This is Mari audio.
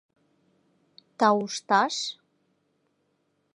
— Таушташ?!